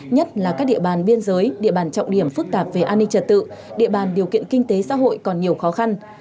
nhất là các địa bàn biên giới địa bàn trọng điểm phức tạp về an ninh trật tự địa bàn điều kiện kinh tế xã hội còn nhiều khó khăn